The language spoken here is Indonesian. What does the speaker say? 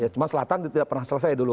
cuma selatan tidak pernah selesai dulu